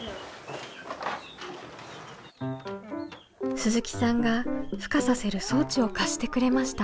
鈴木さんがふ化させる装置を貸してくれました。